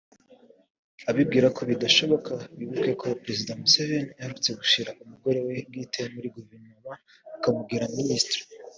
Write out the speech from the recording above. Abibwira ko bitashoboka bibuke ko Perezida Museveni aherutse gushyira umugore we bwite muri guverinoma akamugira Ministre